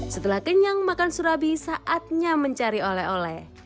setelah kenyang makan surabi saatnya mencari oleh oleh